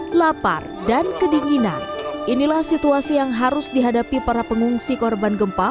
hai lapar dan kedinginan inilah situasi yang harus dihadapi para pengungsi korban gempa